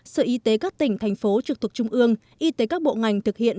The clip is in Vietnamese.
sở y tế các tỉnh thành phố trực thuộc trung ương y tế các bộ ngành thực hiện